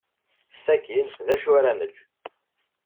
Sakkin d acu ara neg?